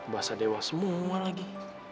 bahasa dewa semua lagi